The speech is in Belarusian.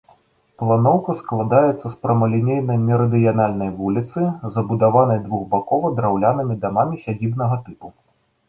Планоўка складаецца з прамалінейнай мерыдыянальнай вуліцы, забудаванай двухбакова драўлянымі дамамі сядзібнага тыпу.